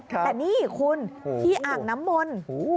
แต่นี่คุณที่อ่างน้ำมนต์